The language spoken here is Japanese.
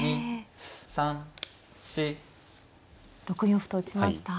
６四歩と打ちました。